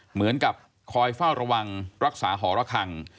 เหมือนกับคอยเฝ้าระวังรักษาหอระคัง